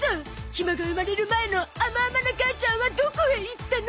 ひまが生まれる前の甘々な母ちゃんはどこへ行ったの？